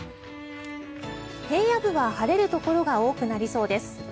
平野部は晴れるところが多くなりそうです。